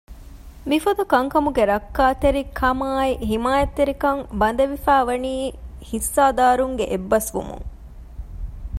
މިފަދަ ކަންކަމުގެ ރައްކާތެރިކާއި ހިމާޔަތްތެރިކަން ބަނދެވިފައި ވަނީ ހިއްސާދާރުންގެ އެއްބަސްވުމުން